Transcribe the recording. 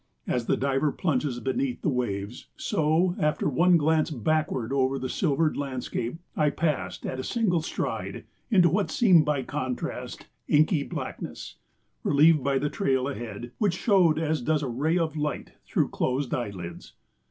As the diver plunges beneath the waves, so, after one glance backward over the silvered landscape, I passed at a single stride into what seemed by contrast inky blackness, relieved by the trail ahead, which showed as does a ray of light through closed eyelids.